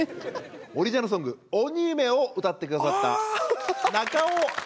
オリジナルソング「鬼嫁」を歌って下さった中尾昭彦さん